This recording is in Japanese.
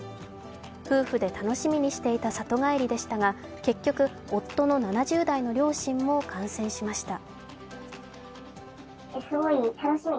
夫婦で楽しみにしていた里帰りでしたが、結局、夫の７０代の両親も感染しました。